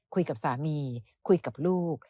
คุยกับสามีคุยกับลูก